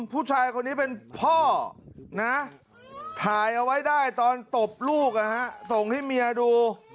ผู้ชายคนนี้เป็นพ่อนะถ่ายเอาไว้ได้ตอนตบลูกส่งให้เมียดู